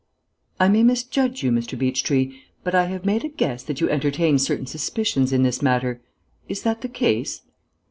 "I may misjudge you, Mr. Beechtree, but I have made a guess that you entertain certain suspicions in this matter. Is that the case?